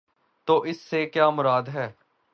تو اس سے کیا مراد ہے؟